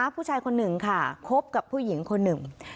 ผู้ชายคนหนึ่งค่ะคบกับผู้หญิงคนหนึ่ง